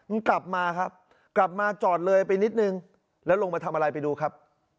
มันกลับมาครับกลับมาจอดเลยไปนิดนึงแล้วลงมาทำอะไรไปดูครับ